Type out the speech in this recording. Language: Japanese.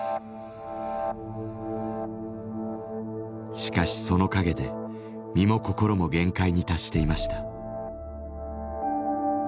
しかしその陰で身も心も限界に達していました。